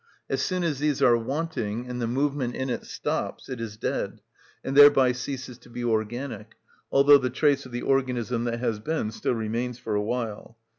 As soon as these are wanting and the movement in it stops it is dead, and thereby ceases to be organic, although the trace of the organism that has been still remains for a while.